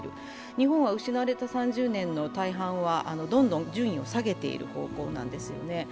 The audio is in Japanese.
日本は失われた３０年の大半はどんどん順位を下げている方向なんですよね。